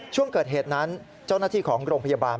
ช่วงเกิดเหตุนั้นเจ้าหน้าที่ของโรงพยาบาล